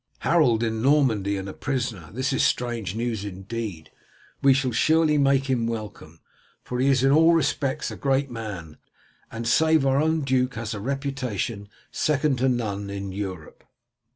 "Harold in Normandy and a prisoner! This is strange news indeed. We shall surely make him welcome, for he is in all respects a great man, and save our own duke has a reputation second to none in Europe."